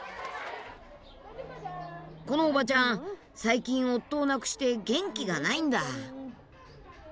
このおばちゃん最近夫を亡くして元気がないんだ。